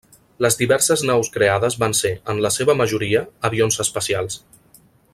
Les diverses naus creades van ser, en la seva majoria, avions espacials.